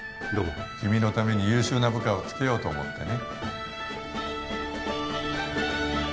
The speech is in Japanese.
君のために優秀な部下をつけようと思ってね